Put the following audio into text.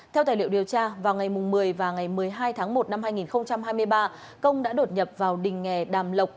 theo tài liệu điều tra vào ngày một mươi và ngày một mươi hai tháng một năm hai nghìn hai mươi ba công đã đột nhập vào đình nghề đàm lộc